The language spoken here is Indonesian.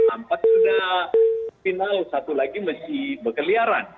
empat sudah final satu lagi masih berkeliaran